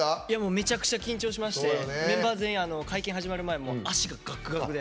めちゃくちゃ緊張しましてメンバー全員、会見始まる前も足、がくがくで。